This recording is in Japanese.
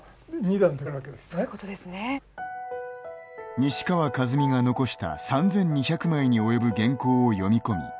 西川一三が残した３，２００枚に及ぶ原稿を読み込み